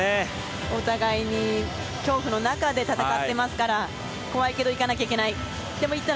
お互いに恐怖の中で戦っていますから怖いけどいかないといけない。